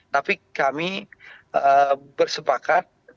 tapi kami bersepakat